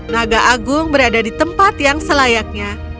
naga agung berada di tempat yang selayaknya